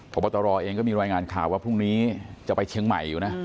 พบตรเองก็มีรายงานข่าวว่าพรุ่งนี้จะไปเชียงใหม่อยู่นะ